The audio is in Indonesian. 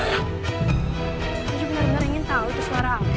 aku benar benar ingin tahu itu suara apa